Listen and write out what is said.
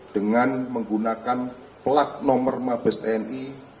dengan menggunakan plat nomor mabes tni